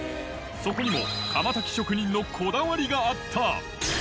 そこにも窯たき職人のこだわりがあった。